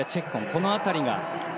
この辺りが。